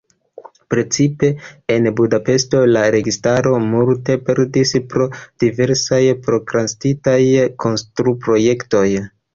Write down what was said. Precipe en Budapeŝto la registaro multe perdis pro diversaj prokrastitaj konstru-projektoj.